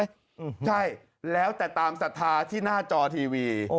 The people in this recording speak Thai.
ใช่แล้วแต่ตามศรัทธาที่หน้าจอทีวี